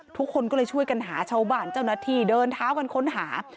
ทุกคนก็เลยช่วยกันหาชาวบ้านเจ้าหน้าที่เดินเท้ากันค้นหา